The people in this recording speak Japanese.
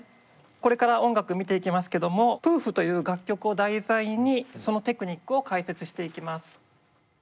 これから音楽見ていきますけども「ｐｏｏｆ」という楽曲を題材にそのテクニックを解説していきます。